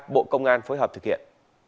bộ công an phối hợp thực hiện